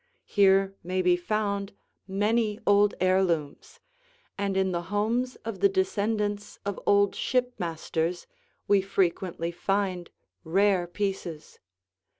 Here may be found many old heirlooms, and in the homes of the descendants of old shipmasters we frequently find rare pieces.